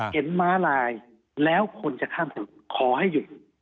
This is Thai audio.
ม้าลายแล้วคนจะข้ามถนนขอให้หยุด